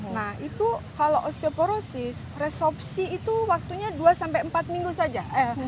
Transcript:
nah itu kalau osteoporosis resopsi itu waktunya dua sampai empat minggu saja